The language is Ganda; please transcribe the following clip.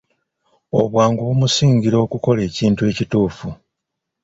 Obwangu bumusingira okukola ekintu ekituufu.